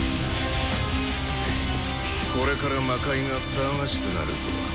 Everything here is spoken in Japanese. これから魔界が騒がしくなるぞ。